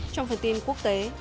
trong phần tin quốc tế